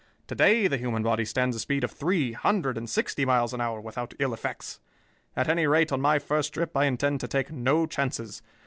To day the human body stands a speed of three hundred and sixty miles an hour without ill effects. At any rate, on my first trip I intend to take no chances.